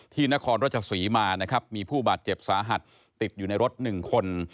นครราชศรีมานะครับมีผู้บาดเจ็บสาหัสติดอยู่ในรถ๑คน